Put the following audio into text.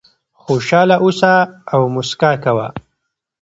خوشاله اوسه او موسکا کوه .